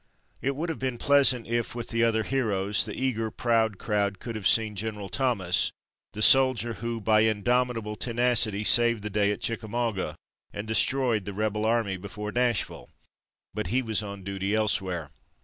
It would have been pleasant if, with the other heroes, the eager, proud crowd could have seen General Thomas, the soldier who, by indomitable tenacity, saved the day at Chickamauga and destroyed the rebel army before Nashville; but he was on duty elsewhere.